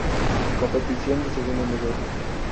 Competición de segundo nivel